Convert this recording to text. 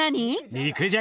肉じゃが。